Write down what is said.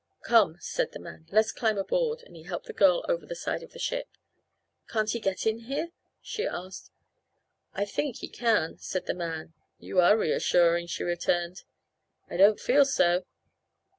"Come," said the man, "let's climb aboard," and he helped the girl over the side of the ship. "Can't he get in here?" she asked. "I think he can," said the man. "You are reassuring," she returned. "I don't feel so."